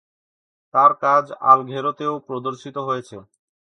তার কাজ আলঘেরোতেও প্রদর্শিত হয়েছে।